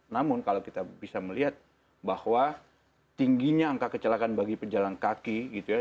namun kalau kita bisa melihat bahwa tingginya angka kecelakaan bagi pejalan kaki gitu ya